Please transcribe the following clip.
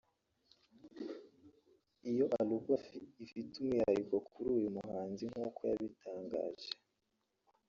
iyi alubu ifite umwihariko kuri uyu muhanzi nk’uko yabitangaje